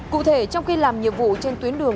cụ thể trong khi làm nhiệm vụ trên tuyến đường